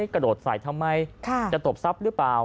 กระโดดใส่ทำไมจะตบทรัพย์หรือเปล่า